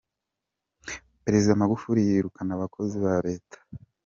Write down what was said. Perezida Magufuli yirukana Abakozi ba Leta